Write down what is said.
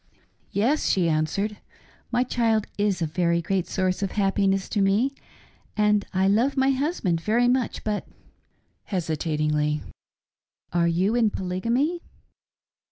"Yes," she anwered, "my child is a very great source of happiness to me, and I love my husband very much but —" (hesitatingly) " are you in Polygamy